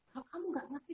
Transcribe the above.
kalau kamu tidak mengerti